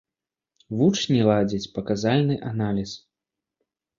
Вучні ладзяць паказальны аналіз.